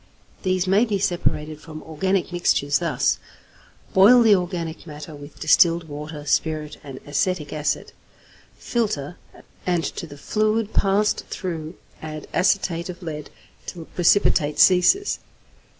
These may be separated from organic mixtures thus: Boil the organic matter with distilled water, spirit, and acetic acid; filter, and to the fluid passed through add acetate of lead till precipitate ceases.